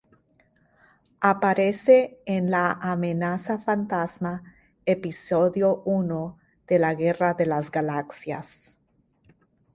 Aparece en La amenaza fantasma, Episodio I de "la Guerra de las Galaxias".